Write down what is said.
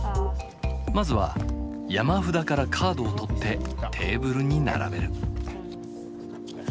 まずは山札からカードを取ってテーブルに並べる。